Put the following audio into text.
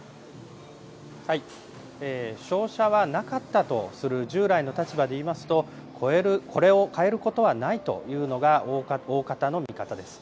照射はなかったとする従来の立場でいいますと、これを変えることはないというのが大方の見方です。